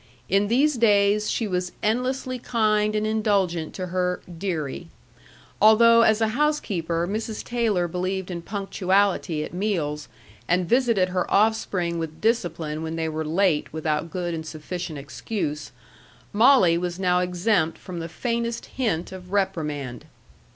In these days she was endlessly kind and indulgent to her "deary." Although, as a housekeeper, Mrs. Taylor believed in punctuality at meals, and visited her offspring with discipline when they were late without good and sufficient excuse, Molly was now exempt from the faintest hint of reprimand.